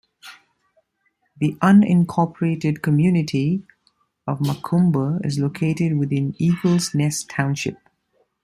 The unincorporated community of McComber is located within Eagles Nest Township.